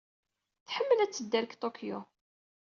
Tḥemmel ad tedder deg Tokyo.